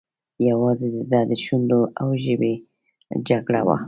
یوازې د ده د شونډو او ژبې جګړه وه.